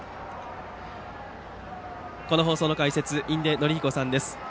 この放送の解説印出順彦さんです。